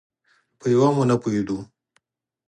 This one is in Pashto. په یوه هم ونه پوهېدو.